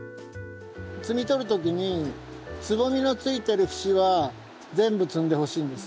摘み取る時につぼみのついてる節は全部摘んでほしいんです。